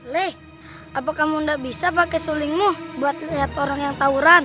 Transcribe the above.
lih apa kamu gak bisa pakai sulingmu buat lihat orang yang tahu ran